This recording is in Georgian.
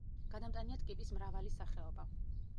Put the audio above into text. გადამტანია ტკიპის მრავალი სახეობა.